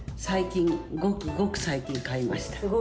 ごくごく最近買いました。